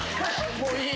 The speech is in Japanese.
もういい。